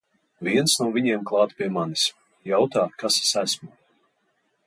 Viens no viņiem klāt pie manis, jautā kas es esmu.